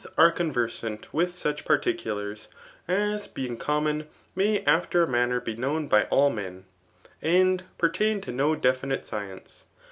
are conversant with such particulars^ as being compK^ may .after a manner be known by all m^n» ^id pertain to no definite science.